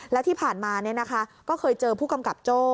แล้วที่ผ่านมาก็เคยเจอผู้กำกับโจ้